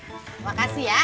terima kasih ya